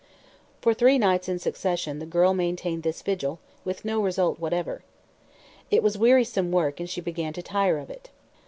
For three nights in succession the girl maintained this vigil, with no result whatever. It was wearisome work and she began to tire of it.